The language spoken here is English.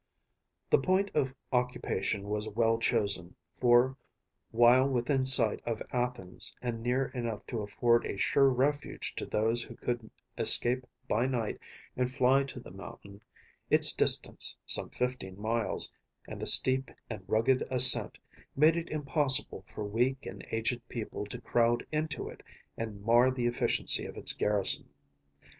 The point of occupation was well chosen, for while within sight of Athens, and near enough to afford a sure refuge to those who could escape by night and fly to the mountain, its distance (some 15 miles) and the steep and rugged ascent, made it impossible for weak and aged people to crowd into it and mar the efficiency of its garrison.